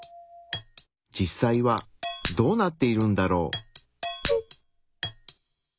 実際はどうなっているんだろう？